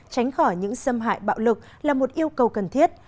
tránh khỏi những xâm hại bạo lực là một yêu cầu cần thiết